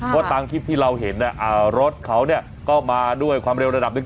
เพราะตามคลิปที่เราเห็นรถเขาก็มาด้วยความเร็วระดับหนึ่ง